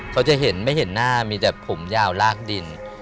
เขาจะเห็นไม่เห็นหน้ามีแต่ผมยาวลากดิน